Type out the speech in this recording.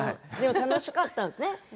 楽しかったんですね。